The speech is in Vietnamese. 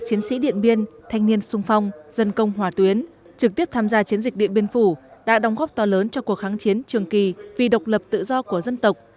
chiến sĩ điện biên thanh niên sung phong dân công hỏa tuyến trực tiếp tham gia chiến dịch điện biên phủ đã đóng góp to lớn cho cuộc kháng chiến trường kỳ vì độc lập tự do của dân tộc